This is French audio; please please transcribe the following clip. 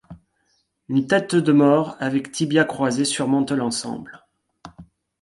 Une tête de mort avec tibias croisés surmontent l'ensemble.